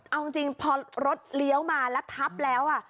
เอาจริงพอรถเลี้ยวมาแล้วทับแล้ว